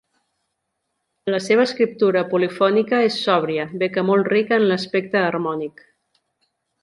La seva escriptura polifònica és sòbria, bé que molt rica en l'aspecte harmònic.